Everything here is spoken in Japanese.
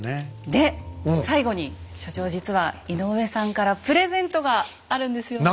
で最後に所長実は井上さんからプレゼントがあるんですよね。